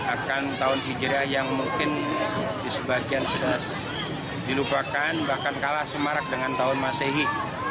akan tahun hijrah yang mungkin di sebagian sudah dilupakan bahkan kalah semarak dengan tahun masehi